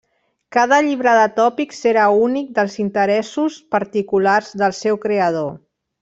Cada llibre de tòpics era únic dels interessos particulars del seu creador.